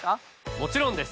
もちろんです！